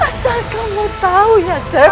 asal kamu tahu ya